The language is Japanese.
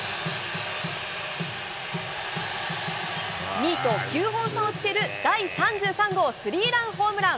２位と９本差をつける第３３号スリーランホームラン。